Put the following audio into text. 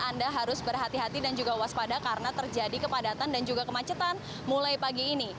anda harus berhati hati dan juga waspada karena terjadi kepadatan dan juga kemacetan mulai pagi ini